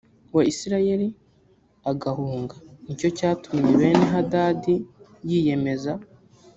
wa isirayeli agahunga ni cyo cyatumye beni hadadi yiyemeza